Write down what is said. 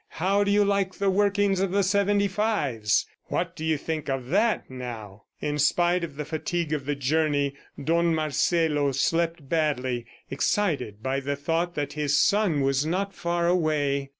How do you like the workings of the seventy fives? ... What do you think of that now? ..." In spite of the fatigue of the journey, Don Marcelo slept badly, excited by the thought that his son was not far away.